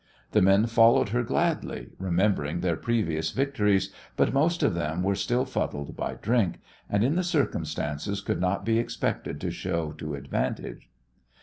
The men followed her gladly, remembering their previous victories, but most of them were still fuddled by drink, and in the circumstances could not be expected to show to advantage.